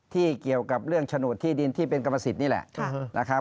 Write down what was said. เกี่ยวกับเรื่องโฉนดที่ดินที่เป็นกรรมสิทธิ์นี่แหละนะครับ